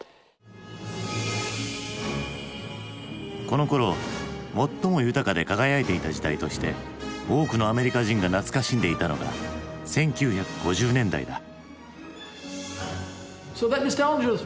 このころ最も豊かで輝いていた時代として多くのアメリカ人が懐かしんでいたのが１９５０年代だ。